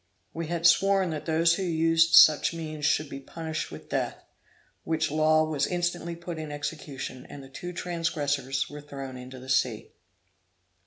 We had sworn that those who used such means should be punished with death; which law was instantly put in execution, and the two transgressors were thrown into the sea.